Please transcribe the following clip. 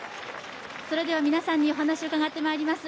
それでは皆さんにお話を伺ってまいります。